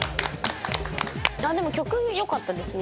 でも曲よかったですね。